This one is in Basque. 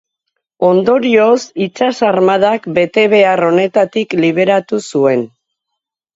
Ondorioz, itsas-armadak betebehar honetatik liberatu zuen.